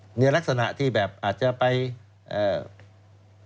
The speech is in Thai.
อ่าเนี้ยลักษณะที่แบบอาจจะไปอ่า